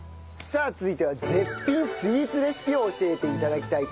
続いては絶品スイーツレシピを教えて頂きたいと思います。